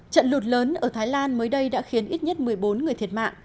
trận lụt lớn ở thái lan mới đây đã khiến ít nhất một mươi bốn người thiệt mạng